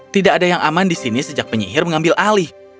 tidak ada yang aman di sini sejak penyihir mengambil alih